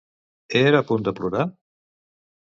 Era a punt de plorar?